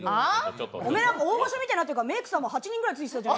おめえなんか、大御所みたいになってるからメークさんが８人ぐらいついてただろ。